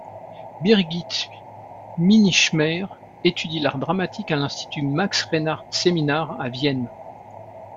Birgit Minichmayr étudie l'art dramatique à l'Institut Max-Reinhardt-Seminar à Vienne.